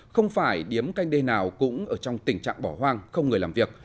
không phải điếm canh đê nào cũng ở trong tình trạng bỏ hoang không người làm việc